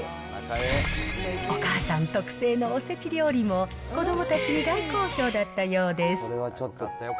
お母さん特製のおせち料理も、子どもたちに大好評だったようです。